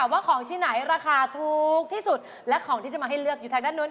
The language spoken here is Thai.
ทำไมฮะเพราะชอบรูดการ์ดอย่างเดียวฮะเปิดเมมเบอร์อะไรอย่างนี้